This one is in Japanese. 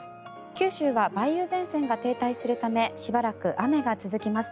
九州は梅雨前線が停滞するためしばらく雨が続きます。